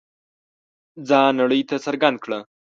ځان نړۍ ته څرګند کړ.